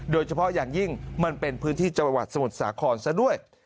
โดยเฉพาะอย่างยิ่งมันเป็นพื้นที่จังหวัดสมุทรสาครซะด้วย